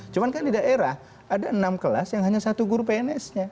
cuma kan di daerah ada enam kelas yang hanya satu guru pns nya